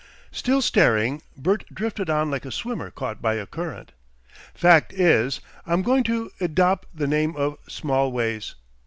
Still staring. Bert drifted on like a swimmer caught by a current. "Fact is, I'm going to edop' the name of Smallways.